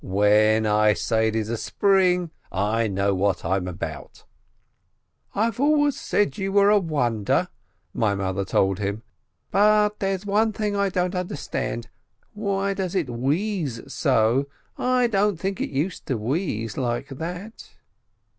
When I say it is a spring, I know what I'm about." "I always said you were a wonder," my mother told him. "But there is one thing I don't understand : why does it wheeze so ? I don't think it used to wheeze like that."